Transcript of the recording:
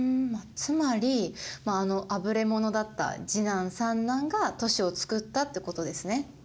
つまりあぶれ者だった次男三男が都市を作ったってことですね。